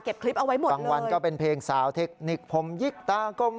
คลิปเอาไว้หมดบางวันก็เป็นเพลงสาวเทคนิคผมยิกตากลม